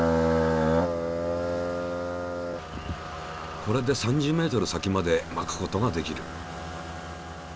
これで３０ｍ先までまくことができる。